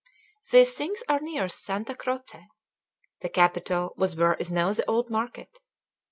These things are near Santa Croce. The Capitol was where is now the Old Market.